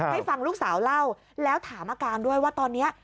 ให้ฟังลูกสาวเล่าแล้วถามอาการด้วยว่าตอนนี้